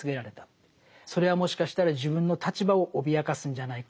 それはもしかしたら自分の立場を脅かすんじゃないか。